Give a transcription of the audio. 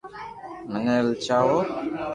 منو لآلچاوُ